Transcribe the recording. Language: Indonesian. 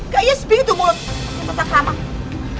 kayaknya sebing itu mulut